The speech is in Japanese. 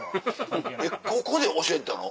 えっここで教えてたの？